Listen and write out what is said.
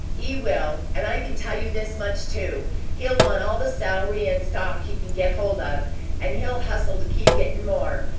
He will! And I can tell you this much, too: he'll want all the salary and stock he can get hold of, and he'll hustle to keep gettin' more.